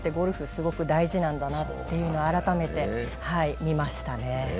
すごく大事なんだなというのを改めて見ましたね。